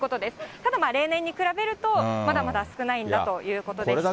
ただ、例年に比べると、まだまだ少ないんだということでした。